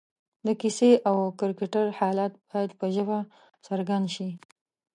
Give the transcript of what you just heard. د کیسې او کرکټر حالت باید په ژبه کې څرګند شي